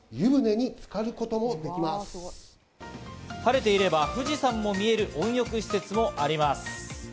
晴れていれば富士山も見える温浴施設もあります。